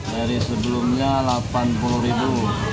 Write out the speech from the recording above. dari sebelumnya delapan puluh ribu